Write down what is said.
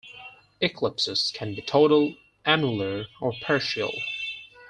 Eclipses can be total, annular, or partial.